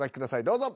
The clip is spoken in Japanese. どうぞ。